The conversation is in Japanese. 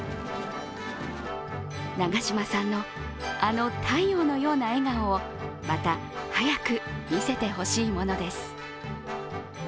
長嶋さんのあの太陽のような笑顔をまた早く見せてほしいものです。